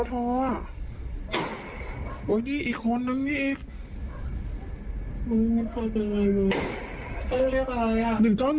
ทีรักเลี้ยวแล้วแฟสตรอบรวมอยู่นี้ตรอบรวมไม่ออกมาวะ